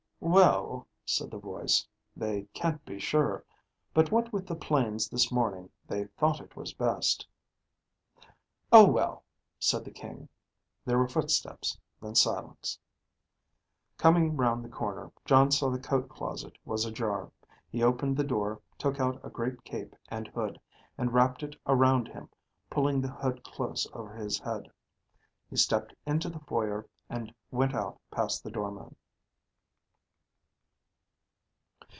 "Well," said the voice, "they can't be sure. But what with the planes this morning, they thought it was best." "Oh, well," said the King. There were footsteps. Then silence. Coming round the corner, Jon saw the coat closet was ajar. He opened the door, took out a great cape and hood, and wrapped it around him, pulling the hood close over his head. He stepped into the foyer and went out past the doorman.